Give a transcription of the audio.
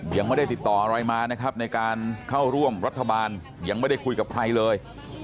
ยังไม่ได้ติดต่ออะไรมานะครับในการเข้าร่วมรัฐบาลยังไม่ได้คุยกับใครเลย